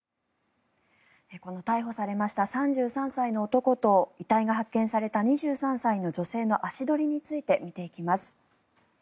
この逮捕されました３３歳の男と遺体が発見された２３歳の女性の足取りについて見ていきます。